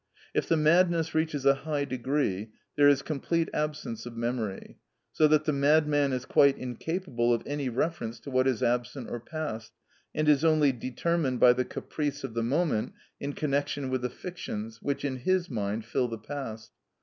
If the madness reaches a high degree, there is complete absence of memory, so that the madman is quite incapable of any reference to what is absent or past, and is only determined by the caprice of the moment in connection with the fictions which, in his mind, fill the past.